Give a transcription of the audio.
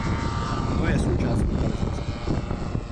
I to je součást globalizace.